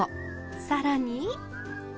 更に。